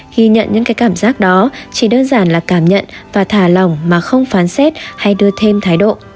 ghi nhận những cảm giác đó chỉ đơn giản là cảm nhận và thả lỏng mà không phán xét hay đưa thêm thái độ